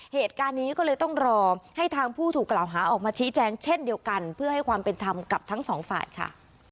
เหตุการณ์นี้ก็เลยต้องรอให้ทางผู้ถูกกล่าวหาออกมาชี้แจงเช่นเดียวกันเพื่อให้ความเป็นธรรมกับทั้งสองฝ่ายค่ะ